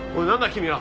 君は。